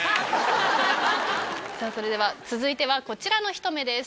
さぁそれでは続いてはこちらのひと目です。